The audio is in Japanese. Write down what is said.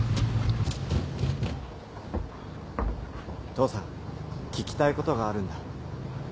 父さん聞きたいことがあるんだ。